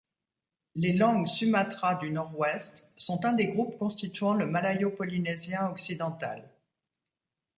Les langues sumatra du Nord-Ouest sont un des groupes constituant le malayo-polynésien occidental.